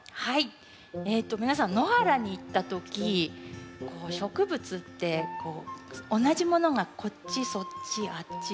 えと皆さん野原に行った時こう植物ってこう同じものがこっちそっちあっち。